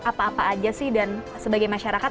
apa apa aja sih dan sebagai masyarakat